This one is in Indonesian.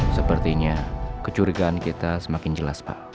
sepertinya kecurigaan kita semakin jelas pak